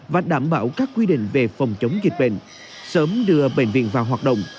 và đảm bảo các quy định về phòng chống dịch bệnh sớm đưa bệnh viện vào hoạt động